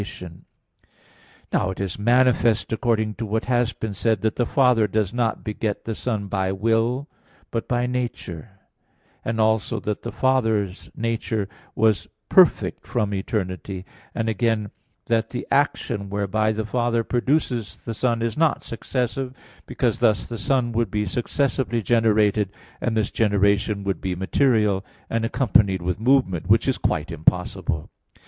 Now it is manifest, according to what has been said (Q. 41, A. 2), that the Father does not beget the Son by will, but by nature; and also that the Father's nature was perfect from eternity; and again that the action whereby the Father produces the Son is not successive, because thus the Son would be successively generated, and this generation would be material, and accompanied with movement; which is quite impossible.